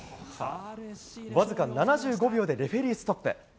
わずか７５秒でレフェリーストップ。